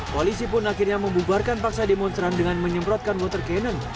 polisi pun akhirnya membubarkan paksa demonstran dengan menyemprotkan water cannon